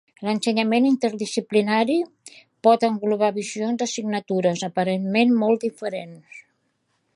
L’ensenyament interdisciplinari pot englobar visions d’assignatures aparentment molt diferents.